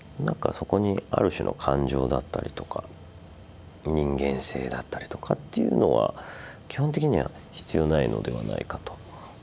そこにある種の感情だったりとか人間性だったりとかっていうのは基本的には必要ないのではないかと。